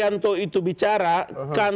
atau itu sudah dikumpulkan